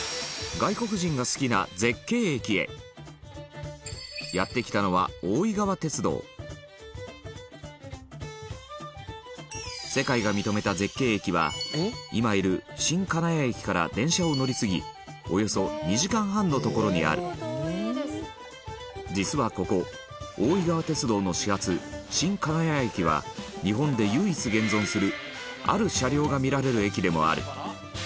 外国人が好きな絶景駅へやって来たのは、大井川鐵道世界が認めた絶景駅は今いる新金谷駅から電車を乗り継ぎおよそ２時間半の所にある実は、ここ大井川鐵道の始発、新金谷駅は日本で唯一現存するある車両が見られる駅でもある徳永：